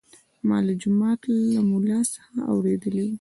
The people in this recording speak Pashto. ما له جومات له ملا څخه اورېدلي وو.